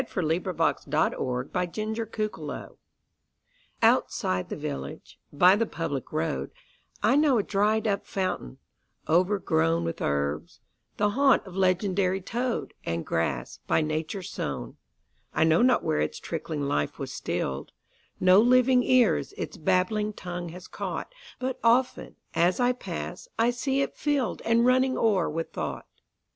Robert Leighton 1822–69 The Dried up Fountain OUTSIDE the village, by the public road,I know a dried up fountain, overgrownWith herbs, the haunt of legendary toad, And grass, by Nature sown.I know not where its trickling life was still'd; No living ears its babbling tongue has caught; But often, as I pass, I see it fill'dAnd running o'er with thought.